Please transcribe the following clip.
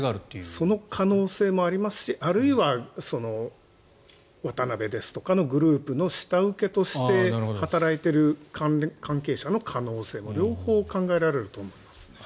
その可能性もありますしあるいは渡邉ですとかのグループの下請けとして働いている関係者の可能性も両方考えられると思います。